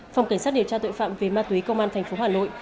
phòng cảnh sát điều tra tội phạm về ma túy công an thành phố hà nội